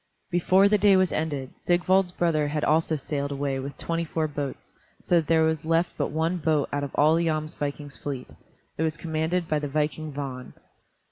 Before the day was ended, Sigvald's brother had also sailed away with twenty four boats, so that there was left but one boat out of all the Jomsvikings' fleet. It was commanded by the viking Vagn.